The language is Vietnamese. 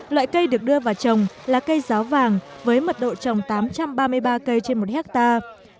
loại cây được đưa vào trồng là cây ráo vàng với mật độ trồng tám trăm ba mươi ba cây trên một hectare